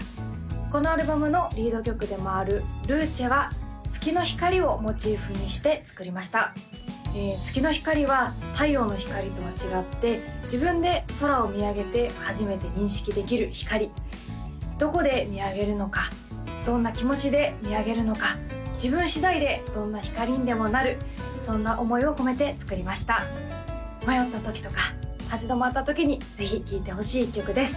このアルバムのリード曲でもある「ＬＵＣＥ」は月の光をモチーフにして作りました月の光は太陽の光とは違って自分で空を見上げて初めて認識できる光どこで見上げるのかどんな気持ちで見上げるのか自分次第でどんな光にでもなるそんな思いを込めて作りました迷った時とか立ち止まった時にぜひ聴いてほしい１曲です